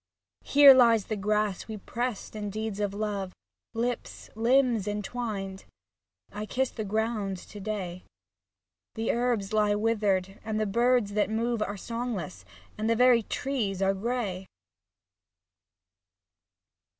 Here lies the grass we pressed in deeds of love. Lips, limbs entwined — I kiss the ground to day. The herbs lie withered, and the birds that move Are songless, and the very trees are grey.